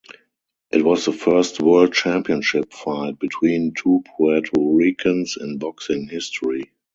It was the first world championship fight between two Puerto Ricans in boxing history.